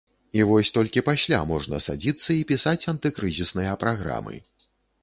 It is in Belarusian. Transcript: І вось толькі пасля можна садзіцца і пісаць антыкрызісныя праграмы.